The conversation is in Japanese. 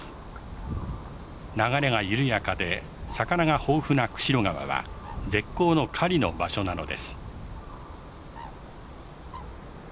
流れが緩やかで魚が豊富な釧路川は絶好の狩りの場所なのです。